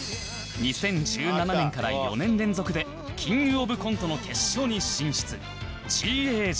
２０１７年から４年連続でキングオブコントの決勝に進出 ＧＡＧ